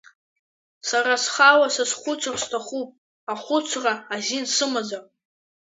Сара схала сазхәыцыр сҭахуп, ахәыцра азин сымазар!